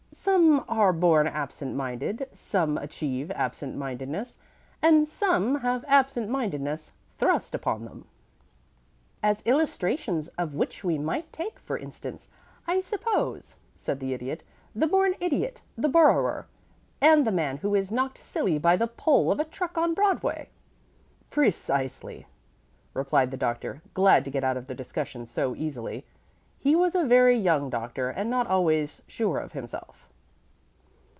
"Some are born absent minded, some achieve absent mindedness, and some have absent mindedness thrust upon them." "As illustrations of which we might take, for instance, I suppose," said the Idiot, "the born idiot, the borrower, and the man who is knocked silly by the pole of a truck on Broadway." "Precisely," replied the Doctor, glad to get out of the discussion so easily. He was a very young doctor, and not always sure of himself.